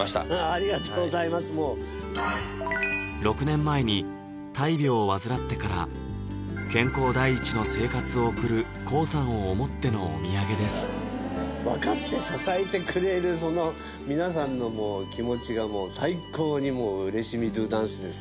ありがとうございます６年前に大病を患ってから健康第一の生活を送るＫＯＯさんを思ってのお土産です分かって支えてくれるその皆さんの気持ちがもう最高にうれしみＤＯＤＡＮＣＥです